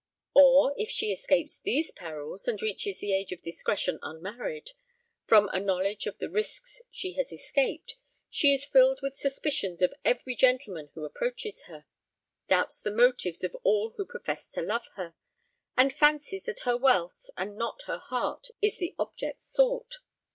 Or if she escapes these perils, and reaches the age of discretion unmarried, from a knowledge of the risks she has escaped, she is filled with suspicions of every gentleman who approaches her; doubts the motives of all who profess to love her, and fancies that her wealth, and not her heart, is the object sought.